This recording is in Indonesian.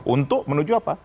untuk menuju apa